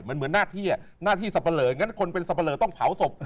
มันเหมือนหน้าที่หน้าที่สับปะเหลองั้นคนเป็นสับปะเลอต้องเผาศพ